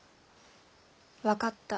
分かった。